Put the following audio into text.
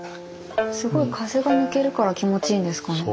すごい風が抜けるから気持ちいいんですかね。